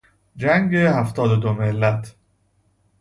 جنگ هفتاد و دو ملت...